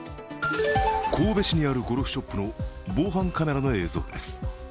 神戸市にあるゴルフショップの防犯カメラの映像です。